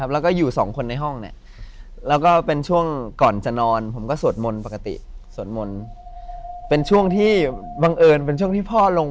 แล้วก็อยู่สองคนในห้อง